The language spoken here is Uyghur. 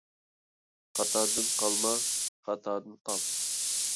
قاتاردىن قالما، خاتادىن قال.